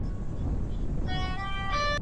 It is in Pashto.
حکومت باید د غریبانو د حقوقو کلک ملاتړ وکړي.